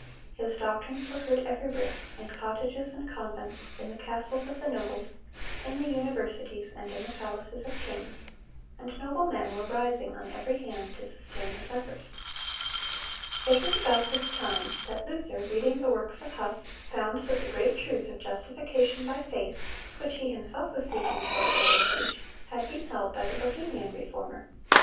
His doctrines were heard everywhere,—"in cottages and convents, ... in the castles of the nobles, in the universities, and in the palaces of kings;" and noble men were rising on every hand to sustain his efforts. It was about this time that Luther, reading the works of Huss, found that the great truth of justification by faith, which he himself was seeking to uphold and teach, had been held by the Bohemian Reformer.